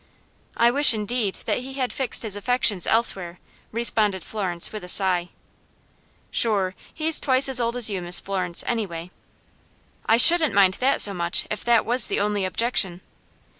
"I wish, indeed, that he had fixed his affections elsewhere," responded Florence, with a sigh. "Shure, he's twice as old as you, Miss Florence, anyway." "I shouldn't mind that so much, if that was the only objection."